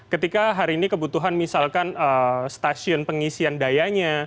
ketika hari ini kebutuhan misalkan stasiun pengisian dayanya